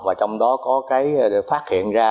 và trong đó có cái phát hiện ra